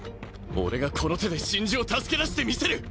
俺がこの手で真珠を助け出してみせる！